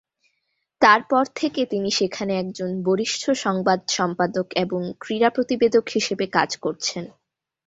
তার পর থেকে তিনি সেখানে একজন বরিষ্ঠ সংবাদ সম্পাদক এবং ক্রীড়া প্রতিবেদক হিসেবে কাজ করছেন।